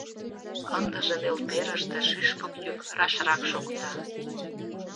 Ындыже нӧлперыште шӱшпык йӱк рашрак шокта.